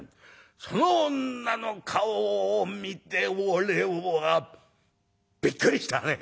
その女の顔を見て俺はびっくりしたね」。